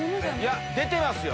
いや出てますよ。